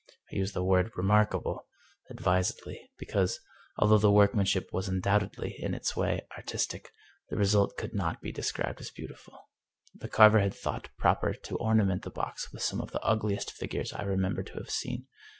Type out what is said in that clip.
I use the word " remarkable " advisedly, because, although the workmanship was undoubtedly, in its way, artistic, the re sult could not be described as beautiful. The carver had thought proper to ornament the box with some of the ugliest figures I remember to have seen.